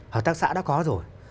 hợp tác xã đã có rồi